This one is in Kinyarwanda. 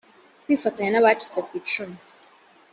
kwifatanya n abacitse kw icumu